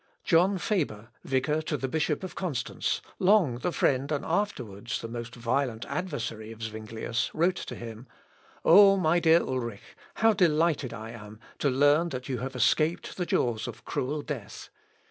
John Faber, vicar to the bishop of Constance, long the friend and afterwards the most violent adversary of Zuinglius, wrote to him. "O my dear Ulric, how delighted I am to learn that you have escaped the jaws of cruel death.